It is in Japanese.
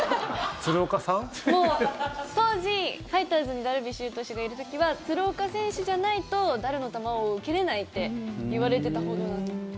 当時、ファイターズにダルビッシュ有投手がいる時は鶴岡選手じゃないとダルの球を受けれないっていわれてたほどなので。